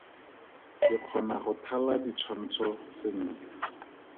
Ke kgona go thala ditshwantsho sentle.